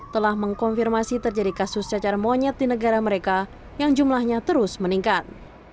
telah mengkonfirmasi terjadi kasus cacar monyet di negara mereka yang jumlahnya terus meningkat